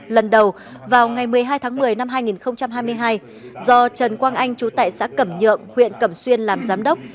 lần đầu vào ngày một mươi hai tháng một mươi năm hai nghìn hai mươi hai do trần quang anh chú tại xã cẩm nhượng huyện cẩm xuyên làm giám đốc